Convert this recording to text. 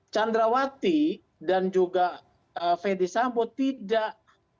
candrawati dan juga ferdis sambo tidak